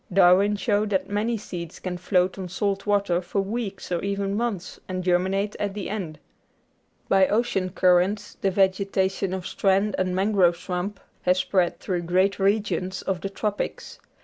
Darwin showed that many seeds can float on salt water for weeks or even months and germinate at the end. By ocean currents the vegetation of strand and mangrove swamp has spread through great regions of the Tropics.